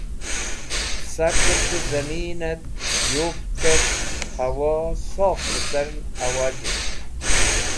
Saker K̃hu Zamin et Yupket Hawo Sof licern awaji